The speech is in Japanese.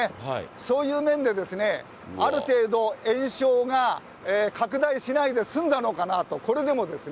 そういう面でですね、ある程度、延焼が拡大しないで済んだのかなと、これでもですね。